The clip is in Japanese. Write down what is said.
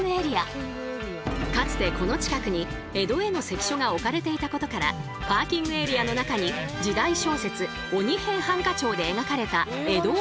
かつてこの近くに江戸への関所が置かれていたことからパーキングエリアの中に時代小説「鬼平犯科帳」で描かれた江戸を再現。